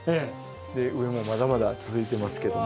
で上もまだまだ続いてますけども。